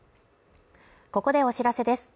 ここでお知らせです。